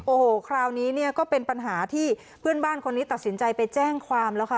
โอ้โหคราวนี้เนี่ยก็เป็นปัญหาที่เพื่อนบ้านคนนี้ตัดสินใจไปแจ้งความแล้วค่ะ